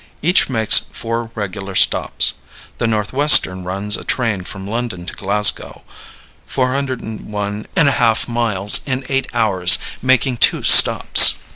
Each makes four regular stops. The Northwestern runs a train from London to Glasgow, 401½ miles, in eight hours, making two stops.